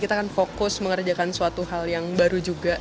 kita kan fokus mengerjakan suatu hal yang baru juga